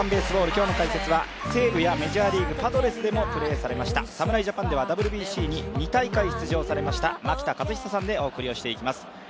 今日の解説は西武やメジャーリーグ、パドレスでもプレーされました侍ジャパンではＷＢＣに２大会出場されました牧田和久さんでお送りしてまいります。